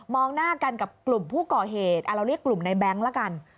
หน้ากันกับกลุ่มผู้ก่อเหตุเราเรียกกลุ่มในแบงค์ละกัน